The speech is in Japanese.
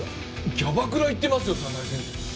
キャバクラ行ってますよ佐々井先生。